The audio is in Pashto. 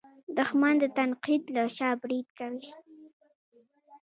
دښمن د تنقید له شا برید کوي